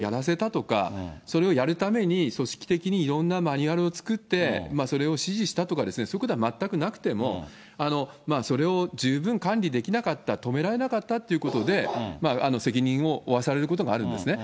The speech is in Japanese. つまり、主体的にそれをやらせたとか、それをやるために、組織的にいろんなマニュアルを作って、それを指示したとかですね、そういうことは全くなくても、それを十分管理できなかった、止められなかったということで、責任を負わされることがあるんですね。